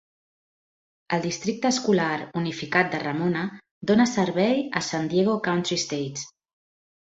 El districte escolar unificat de Ramona dona servei a San Diego Country Estates.